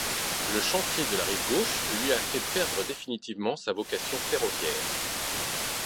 Le chantier de la Rive Gauche lui a fait perdre définitivement sa vocation ferroviaire.